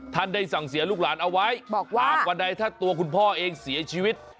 ท่านได้สั่งเสียลูกหลานเอาไว้บอกว่าหากวันใดถ้าตัวคุณพ่อเองเสียชีวิต